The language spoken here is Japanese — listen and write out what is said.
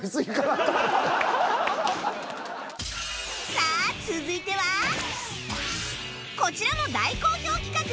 さあ続いてはこちらも大好評企画！